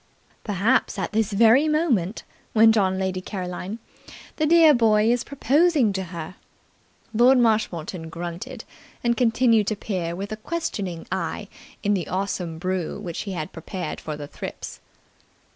"Perhaps at this very moment," went on Lady Caroline, "the dear boy is proposing to her." Lord Marshmoreton grunted, and continued to peer with a questioning eye in the awesome brew which he had prepared for the thrips.